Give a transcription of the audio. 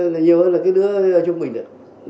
nhiều hơn là đứa trong mình